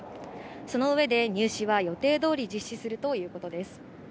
その上で入試は予定通り実施するということです。